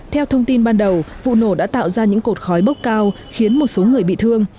theo thông tin ban đầu vụ nổ đã tạo ra những cột khói bốc cao khiến một số người bị thương